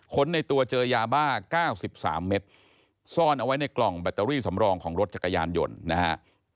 ในตัวเจอยาบ้า๙๓เม็ดซ่อนเอาไว้ในกล่องแบตเตอรี่สำรองของรถจักรยานยนต์นะฮะ